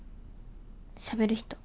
しゃべる人。